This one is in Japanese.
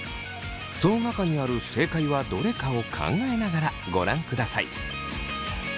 その中にある正解はどれかを考えながらご覧ください。